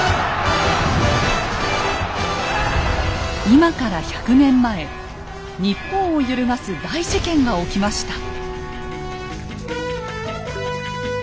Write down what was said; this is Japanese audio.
今から１００年前日本を揺るがす大事件が起きました。